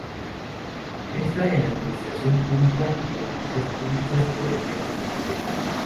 Maestra en Administración Pública y Políticas Públicas por el Tec de Monterrey.